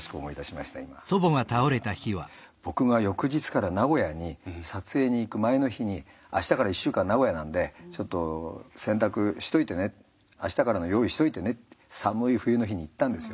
僕が翌日から名古屋に撮影に行く前の日に明日から１週間名古屋なんでちょっと洗濯しといてね明日からの用意しといてねって寒い冬の日に言ったんですよ。